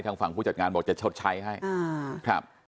ฝั่งผู้จัดงานบอกจะชดใช้ให้ครับ